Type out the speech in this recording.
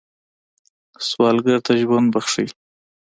سوالګر ته ژوند بخښئ